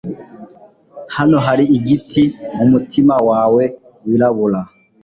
Hano hari igiti mumutima wawe wirabura